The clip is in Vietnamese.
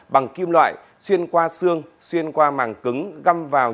bằng kim loại xuyên qua xương xuyên qua màng cứng